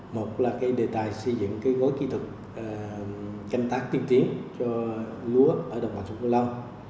một là đề tài xây dựng gối kỹ thuật canh tác tiên tiến cho lúa ở đồng bằng sông kiểu long